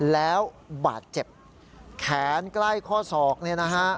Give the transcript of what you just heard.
แล้วบาดเจ็บแขนใกล้ข้อศอกเนี่ยนะฮะ